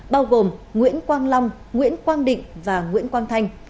bao gồm nguyễn quang long nguyễn quang định và nguyễn quang thanh